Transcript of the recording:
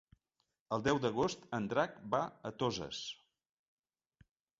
El deu d'agost en Drac va a Toses.